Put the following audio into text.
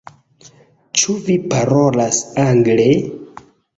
Ĉu vi parolas angle?